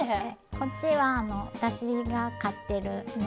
こっちは私が飼ってるね